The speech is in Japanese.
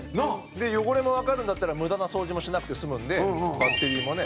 で汚れもわかるんだったら無駄な掃除もしなくて済むんでバッテリーもね